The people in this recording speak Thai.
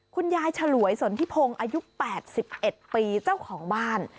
คุณยายฯฉลวยสนธิพงศ์อายุแปดสิบเอ็ดปีเจ้าของบ้าน